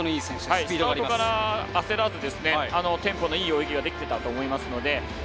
スタートから焦らずテンポのいい泳ぎができていたと思いますので。